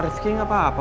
rifki gak apa apa